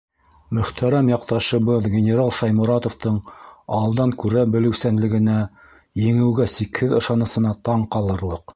Мөхтәрәм яҡташыбыҙ генерал Шайморатовтың алдан күрә белеүсәнлегенә, еңеүгә сикһеҙ ышанысына таң ҡалырлыҡ.